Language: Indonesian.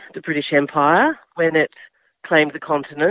ketika perang itu mengakui kontinen